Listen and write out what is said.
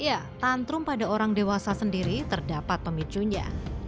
ya tantrum pada orang dewasa sendiri terdapat pemicunya